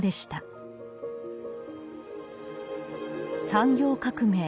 産業革命